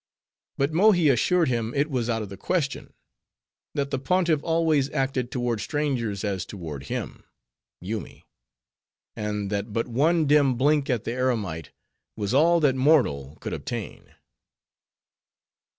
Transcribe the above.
But Mohi assured him it was out of the question; that the Pontiff always acted toward strangers as toward him (Yoomy); and that but one dim blink at the eremite was all that mortal could obtain.